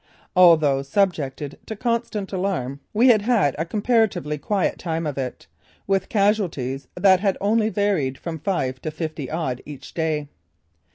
Although subjected to constant alarm we had had a comparatively quiet time of it, with casualties that had only varied from five to fifty odd each day.